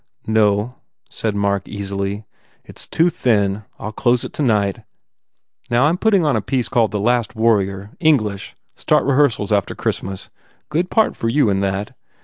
"No," said :Mark, easily, "It s too thin. I ll close it tonight. Now, I m putting on a piece called the Last Warrior. English. Start re hearsals after Christmas. Good part for you in that.